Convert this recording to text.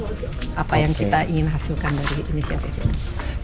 cerita apa kenapa dan apa yang kita ingin hasilkan dari inisiatif ini